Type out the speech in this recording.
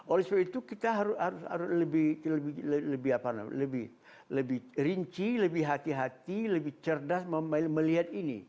oleh sebab itu kita harus lebih rinci lebih hati hati lebih cerdas melihat ini